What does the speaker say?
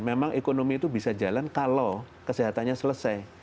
memang ekonomi itu bisa jalan kalau kesehatannya selesai